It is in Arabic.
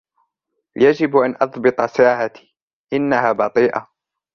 يجب أن أضبط ساعتي. إنها بطيئة.